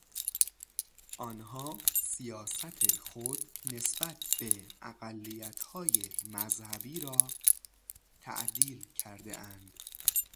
آنها سیاست خود نسبت به اقلیتهای مذهبی را تعدیل کردهاند.